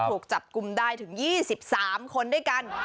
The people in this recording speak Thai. ถูกจับกลุ่มได้ถึง๒๓คนด้วยกัน